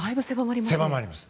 狭まります。